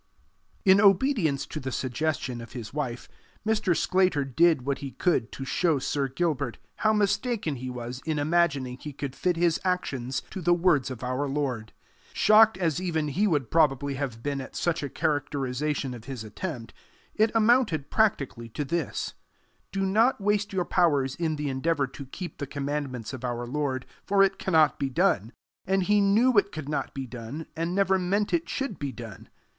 In obedience to the suggestion of his wife, Mr. Sclater did what he could to show Sir Gilbert how mistaken he was in imagining he could fit his actions to the words of our Lord. Shocked as even he would probably have been at such a characterization of his attempt, it amounted practically to this: Do not waste your powers in the endeavour to keep the commandments of our Lord, for it cannot be done, and he knew it could not be done, and never meant it should be done.